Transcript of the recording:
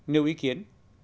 nêu ý kiến